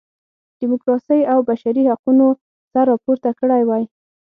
ډیموکراسۍ او بشري حقونو سر راپورته کړی وای.